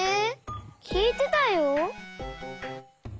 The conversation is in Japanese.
きいてたよ！